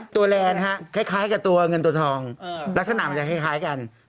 แลนด์ฮะคล้ายกับตัวเงินตัวทองลักษณะมันจะคล้ายกัน